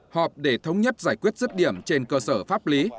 họp để thống nhất giải quyết rứt điểm trên cơ sở pháp lý